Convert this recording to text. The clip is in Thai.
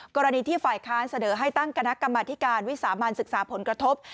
กรณีที่ฝ่ายค้านเสนอให้ตั้งคณะกรรมธิการวิสามันศึกษาผลกระทบ